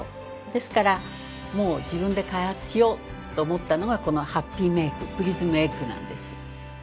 ですからもう自分で開発しようと思ったのがこのハッピーメイクプリズムエッグなんです。